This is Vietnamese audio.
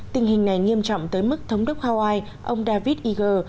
tình hình này nghiêm trọng tới mức thống đốc hawaii ông david igor